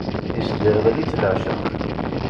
Isderɣel-itt leɛceq.